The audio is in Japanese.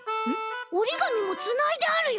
おりがみもつないであるよ。